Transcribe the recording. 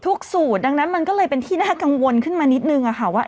สูตรดังนั้นมันก็เลยเป็นที่น่ากังวลขึ้นมานิดนึงค่ะว่า